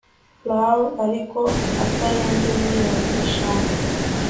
Frw ariko atarenze miliyoni eshanu